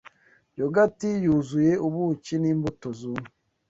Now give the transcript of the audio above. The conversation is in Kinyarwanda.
yogati yuzuye ubuki n’imbuto zumye